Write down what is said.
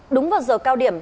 đúng vào giờ cao điểm